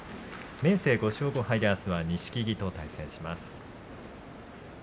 明生は５勝５敗あすは錦木と対戦します。